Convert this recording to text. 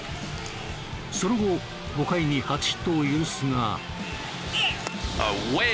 その後５回に初ヒットを許すが。